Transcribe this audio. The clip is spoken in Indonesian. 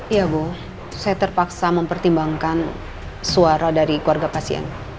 iya bu saya terpaksa mempertimbangkan suara dari keluarga pasien